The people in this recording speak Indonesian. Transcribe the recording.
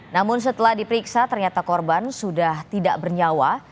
namun setelah diperiksa ternyata korban sudah tidak bernyawa